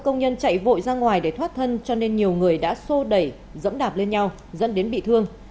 công nhân chạy vội ra ngoài để thoát thân cho nên nhiều người đã sô đẩy dẫm đạp lên nhau dẫn đến bị thương